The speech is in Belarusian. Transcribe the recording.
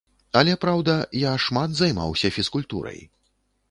Але праўда, я шмат займаўся фізкультурай.